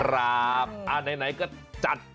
ครับอันไหนก็จัด